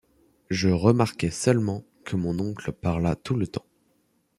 Je remarquai seulement que mon oncle parla tout le temps.